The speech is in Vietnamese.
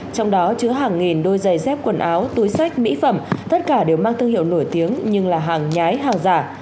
trong đó chứa hàng nghìn đôi giày dép quần áo túi sách mỹ phẩm tất cả đều mang thương hiệu nổi tiếng như là hàng nhái hàng giả